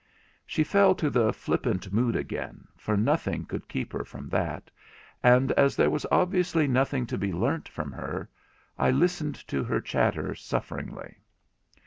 She fell to the flippant mood again, for nothing could keep her from that; and as there was obviously nothing to be learnt from her, I listened to her chatter sufferingly.